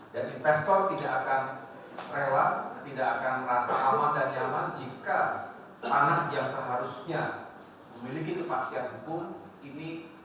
dan investor tidak akan rela tidak akan merasa aman dan nyaman jika anak yang seharusnya memiliki kemampuan hukum